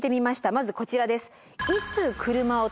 まずこちらです。